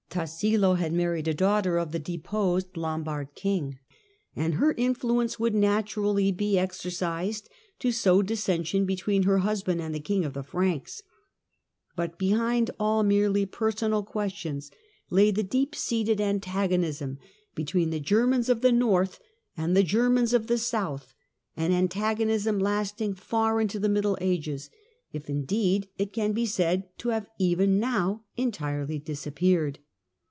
Tassilo had married a daughter of the deposed Lombard king, and her influence would naturally be exercised to sow dissension between her husband and the king of the Franks. But behind all merely personal questions lay the deep seated an tagonism between the Germans of the north and the Germans of the south — an antagonism lasting far intc the Middle Ages — if indeed it can be said to have ever now entirely disappeared.